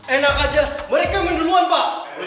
enak aja mereka main duluan pak